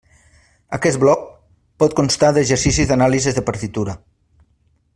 Aquest bloc pot constar d'exercicis d'anàlisi de partitura.